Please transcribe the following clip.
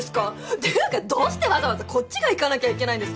っていうかどうしてわざわざこっちが行かなきゃいけないんですか！？